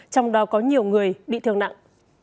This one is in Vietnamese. trong đó có nhiều người bị thương nặng